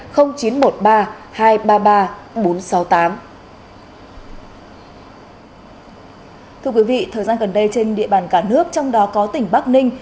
thưa quý vị thời gian gần đây trên địa bàn cả nước trong đó có tỉnh bắc ninh